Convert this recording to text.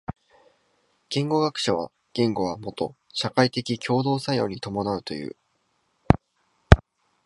言語学者は言語はもと社会的共同作用に伴うという。